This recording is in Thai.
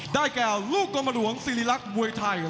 แก่ลูกกรมหลวงศิริรักษ์มวยไทย